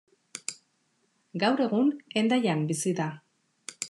Gaur egun Hendaian bizi da.